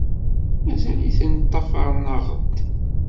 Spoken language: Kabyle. Mazal-iten ṭṭafaren-aɣ-d.